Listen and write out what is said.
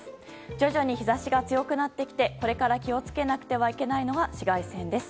徐々に日差しが強くなってきてこれから気を付けなくてはいけないのが紫外線です。